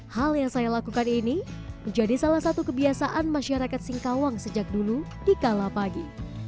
hal yang saya lakukan ini menjadi salah satu kebiasaan masyarakat singkawang sejak dulu di kalapagi